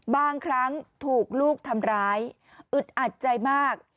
บางครั้งถูกลูกทำร้ายอึดอัดใจมาก